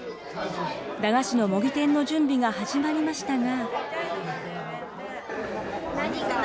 駄菓子の模擬店の準備が始まりましたが。